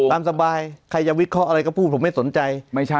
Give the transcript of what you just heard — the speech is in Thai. ตามสบายใครจะวิเคราะห์อะไรก็พูดผมไม่สนใจ